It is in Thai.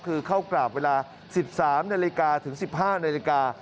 คือเข้ากราบเวลา๑๓นาฬิกาถึง๑๕นาฬิกา